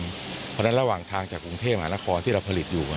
เพราะฉะนั้นระหว่างทางจากกรุงเทพมหานครที่เราผลิตอยู่